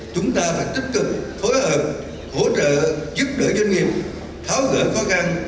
chúng ta phải tích cực phối hợp hỗ trợ giúp đỡ doanh nghiệp tháo gỡ khó khăn